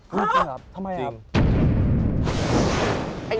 ฮะทำไมครับ